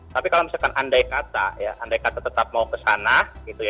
tapi kalau misalkan andai kata ya andai kata tetap mau kesana gitu ya